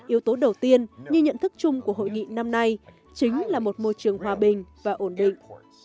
yếu tố đầu tiên như nhận thức chung của hội nghị năm nay chính là một môi trường hòa bình và ổn định